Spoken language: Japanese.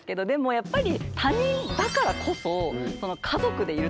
やっぱり。